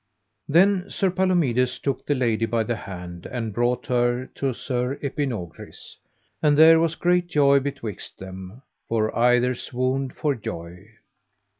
Then Sir Palomides took the lady by the hand and brought her to Sir Epinogris, and there was great joy betwixt them, for either swooned for joy.